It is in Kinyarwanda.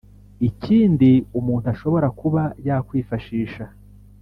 Ikindi umuntu ashobora kuba yakwifashisha